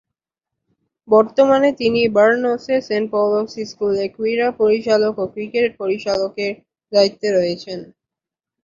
বর্তমানে তিনি বার্নসের Saint Paul's স্কুলে ক্রীড়া পরিচালক ও ক্রিকেট পরিচালকের দায়িত্বে রয়েছেন।